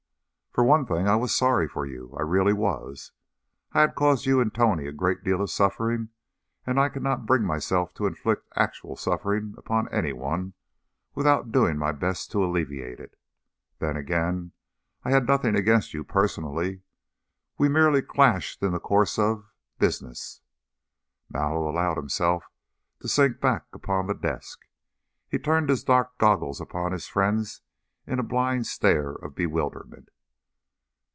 "For one thing, I was sorry for you. I really was. I had caused you and Tony a great deal of suffering, and I cannot bring myself to inflict actual suffering upon anyone without doing my best to alleviate it. Then again, I had nothing against you personally. We merely clashed in the course of business." Mallow allowed himself to sink back upon the desk; he turned his dark goggles upon his friends in a blind stare of bewilderment.